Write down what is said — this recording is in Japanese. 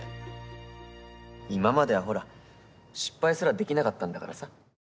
今まではほら失敗すらできなかったんだからさ。